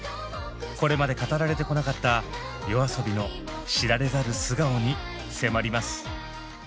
これまで語られてこなかったＹＯＡＳＯＢＩの知られざる素顔に迫ります。